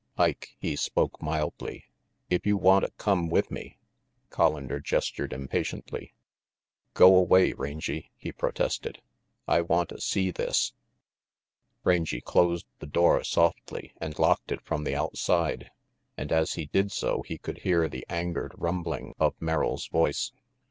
"Ike," he spoke mildly, "if you wanta come with me " Collander gestured impatiently. "Go away, Rangy," he protested, "I wanta see this." 272 RANGY PETE Rangy closed the door softly and locked it from the outside; and as he did so he could hear the angered rumbling of Merrill's voice.